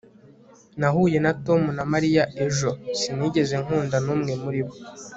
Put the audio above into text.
nahuye na tom na mariya ejo. sinigeze nkunda n'umwe muri bo